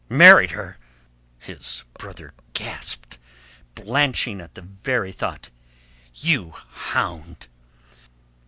"Married her?" his brother gasped, blenching at the very thought. "You hound!"